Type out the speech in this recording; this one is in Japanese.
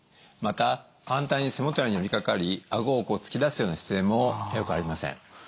また反対に背もたれに寄りかかりあごをこう突き出すような姿勢もよくありません。